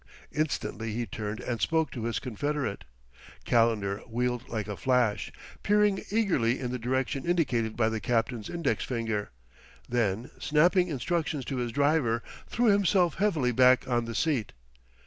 Instantly he turned and spoke to his confederate. Calendar wheeled like a flash, peering eagerly in the direction indicated by the captain's index finger, then, snapping instructions to his driver, threw himself heavily back on the seat.